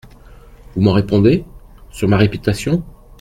Vous m'en répondez ? Sur ma réputation.